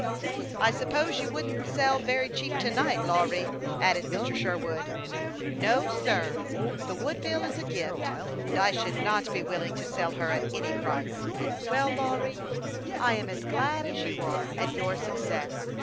" I suppose you wouldn't sell very cheap to night, Lawry," added Mr. Sherwood. " No, sir ; the Woodville is a gift, and I should not be willing to sell her at any price." " Well, Lawry, I am as glad as you are at your success.